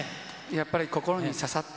やっぱり心に刺さった。